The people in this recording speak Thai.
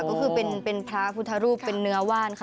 ก็คือเป็นพระพุทธรูปเป็นเนื้อว่านค่ะ